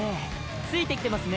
ついてきてますね